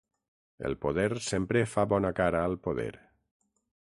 El poder sempre fa bona cara al poder.